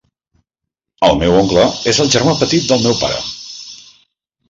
El meu oncle és el germà petit del meu pare.